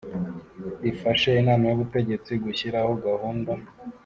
rifashe Inama y Ubutegetsi gushyiraho gahunda